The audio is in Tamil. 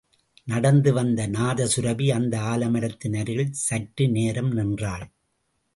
நடந்து வந்த நாதசுரபி அந்த ஆலமரத்தின் அருகில் சற்று நேரம் நின்றாள்.